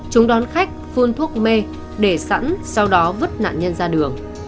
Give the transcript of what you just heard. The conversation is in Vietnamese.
chúng đón khách phun thuốc mê để sẵn sau đó vứt nạn nhân ra đường